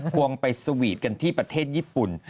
วงไปสวีทกันที่ประเทศญี่ปุ่น